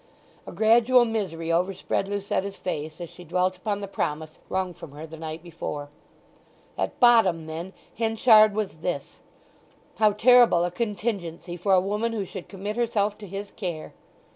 A gradual misery overspread Lucetta's face as she dwelt upon the promise wrung from her the night before. At bottom, then, Henchard was this. How terrible a contingency for a woman who should commit herself to his care.